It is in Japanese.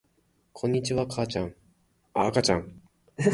こんにちは、あかちゃん